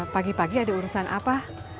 pagi pagi ada urusan apa